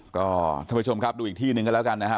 ก็ท่านผู้ชมครับดูอีกที่หนึ่งกันแล้วกันนะครับ